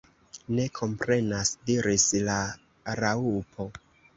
"Ne komprenas," diris la Raŭpo.